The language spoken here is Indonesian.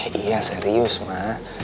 eh iya serius ma